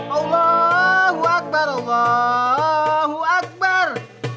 allahu akbar allahu akbar